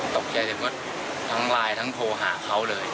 ตกใจเสร็จก็ทั้งไลน์ทั้งโทรหาเขาเลย